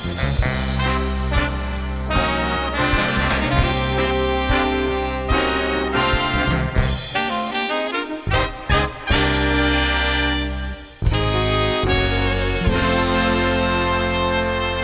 มีความสว่างห่างทิ้งด้วยกรทุกอย่างได้เป็นเวลาสุดอาวรดิ์